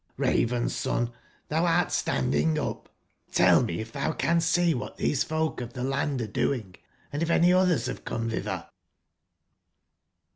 Raven's Son, tbou art standing up ; tell 65 ii mc if tbou canst sec what these folh of the land arc doing, and if any others have come thither?''